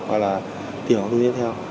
hay là tiền cọc tiếp theo